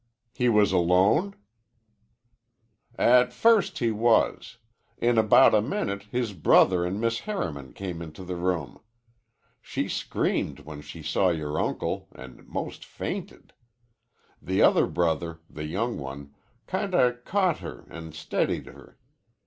"He was alone?" "At first he was. In about a minute his brother an' Miss Harriman came into the room. She screamed when she saw yore uncle an' most fainted. The other brother, the young one, kinda caught her an' steadied her.